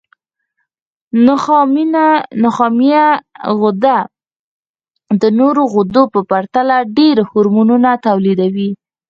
نخامیه غده د نورو غدو په پرتله ډېر هورمونونه تولیدوي.